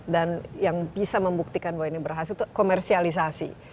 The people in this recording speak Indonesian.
dan yang bisa membuktikan bahwa ini berhasil itu komersialisasi